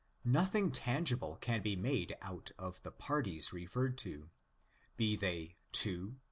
Nothing tangible can be made out about the parties referred to, be they two (11.